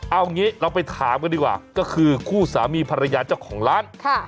เอางี้เราไปถามกันดีกว่าก็คือคู่สามีภรรยาเจ้าของร้าน